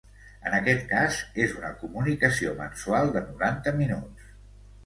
En aquest cas, és una comunicació mensual de noranta minuts.